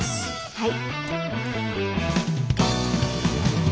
はい。